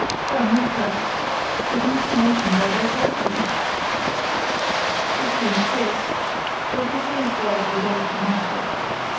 "Come, let's have it. Your hallucinations are diverting." "If you insist; but this is rather a delicate matter.